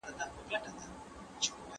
څوك به وژاړي سلګۍ د يتيمانو